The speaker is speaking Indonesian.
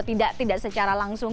tidak secara langsung